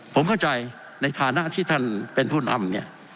ผมเข้าใจในฐานะที่ท่านเป็นผู้นำเนี่ย